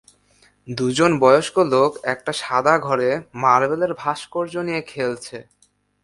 দুজন বয়স্ক লোক একটা সাদা ঘরে মার্বেলের ভাস্কর্য নিয়ে খেলছে।